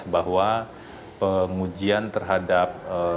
bahwa pengujian terhadap